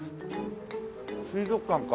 水族館か。